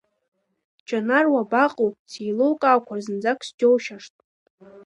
Џьанар, уабаҟоу, сеилукаақәар зынӡак сџьоушьашт.